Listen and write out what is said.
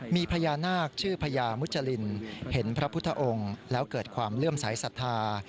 มีพญานาคชื่อพญามุจรินเห็นพระพุทธองค์แล้วเกิดความเลื่อมสายศรัทธา